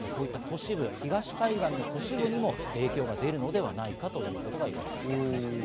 ハリケーンが北上してきますと、さらにこういった都市部、東海岸の都市部にも影響が出るのではないかということがいわれています。